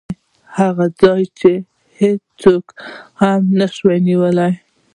د هغې ځای هېڅوک هم نشي نیولی.